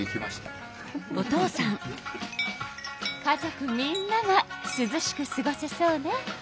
家族みんながすずしくすごせそうね。